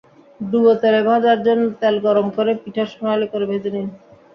ডুবো তেলে ভাজার জন্য তেল গরম করে পিঠা সোনালি করে ভেজে নিন।